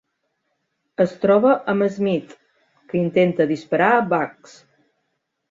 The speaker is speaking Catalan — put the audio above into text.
Es troba amb Smith, que intenta disparar a Bugs.